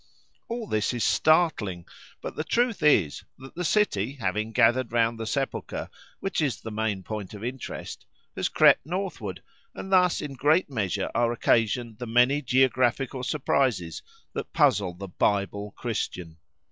All this is startling, but the truth is, that the city having gathered round the Sepulchre, which is the main point of interest, has crept northward, and thus in great measure are occasioned the many geographical surprises that puzzle the "Bible Christian."